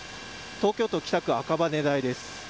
東京都北区赤羽台です。